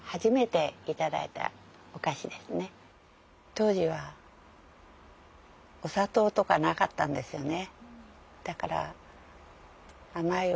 当時はお砂糖とかなかったんですよね。